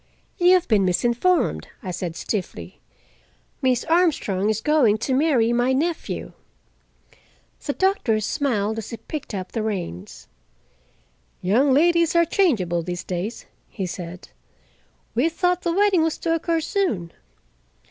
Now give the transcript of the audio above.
"You have been misinformed," I said stiffly. "Miss Armstrong is going to marry my nephew." The doctor smiled as he picked up the reins. "Young ladies are changeable these days," he said. "We thought the wedding was to occur soon.